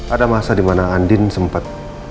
ada masa dimana andin sempat